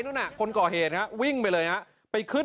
นั่นน่ะคนก่อเหตุฮะวิ่งไปเลยฮะไปขึ้น